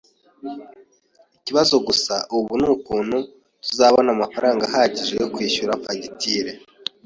Ikibazo gusa ubu nukuntu tuzabona amafaranga ahagije yo kwishyura fagitire.